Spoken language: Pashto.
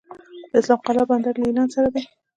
د اسلام قلعه بندر له ایران سره دی